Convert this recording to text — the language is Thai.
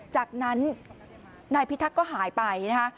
จากนั้นนายพิทักษ์ก็หายไปนะคะ